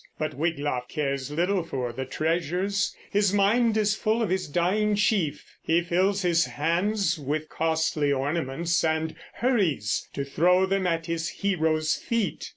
But Wiglaf cares little for the treasures; his mind is full of his dying chief. He fills his hands with costly ornaments and hurries to throw them at his hero's feet.